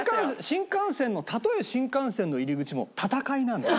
新幹線のたとえ新幹線の入り口も戦いなんです。